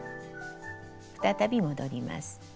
再び戻ります。